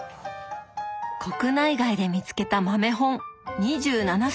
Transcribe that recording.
国内外で見つけた豆本２７冊！